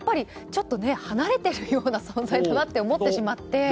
ちょっと離れているような存在かなって思ってしまって。